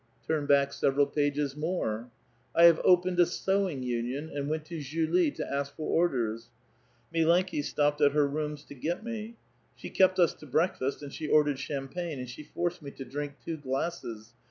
'* Turn back several pages more." ^^ I have opened a sewing union, and went to Julie to ask for orders. Afileiiki stop|jed at her rooms to get me. She kept us to breakfast and she ordered champagne, and she forced me to drink two glasses.